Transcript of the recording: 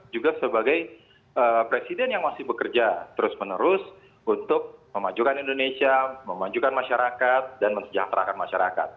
juga sebagai presiden yang masih bekerja terus menerus untuk memajukan indonesia memajukan masyarakat dan mensejahterakan masyarakat